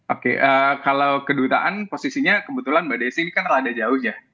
oke kalau kedutaan posisinya kebetulan mbak desi ini kan lada jauh ya